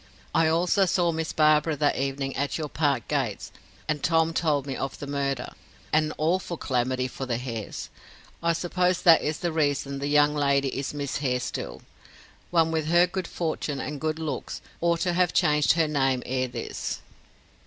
I also saw Miss Barbara that evening at your park gates, and Tom told me of the murder. An awful calamity for the Hares. I suppose that is the reason the young lady is Miss Hare still. One with her good fortune and good looks ought to have changed her name ere this."